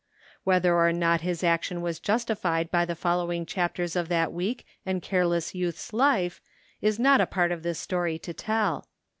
Whether or not his action was justified by the following chapters of that weak and careless youth's life is not a part of this story to tell.